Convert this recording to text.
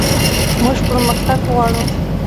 موږ پرمختګ غواړو